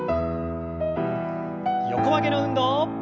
横曲げの運動。